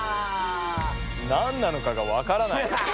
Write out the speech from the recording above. なんなのかがわからない。